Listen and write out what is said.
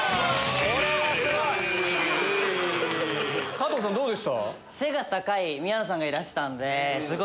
加藤さんどうでした？